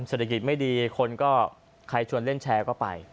เศรษฐกิจไม่ดีคนก็ใครชวนเล่นแชร์ก็ไป